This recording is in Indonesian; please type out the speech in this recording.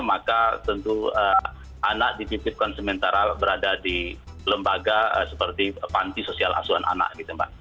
maka tentu anak dititipkan sementara berada di lembaga seperti panti sosial asuhan anak gitu mbak